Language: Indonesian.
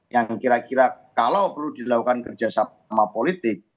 yang kira kira kalau perlu dilakukan kerjasama politik